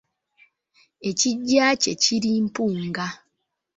Ekiggya kye kiri Mpunga.